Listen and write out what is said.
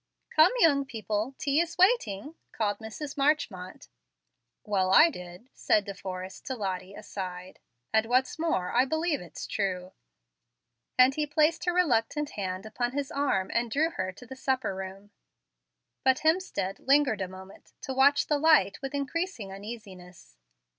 "Come, young people, tea is waiting," called Mrs. Marchmont. "Well, I did," said De Forrest to Lottie, aside; "and what's more, I believe it's true," and he placed her reluctant hand upon his arm, and drew her to the supper room. But Hemstead lingered a moment, to watch the light, with increasing uneasiness.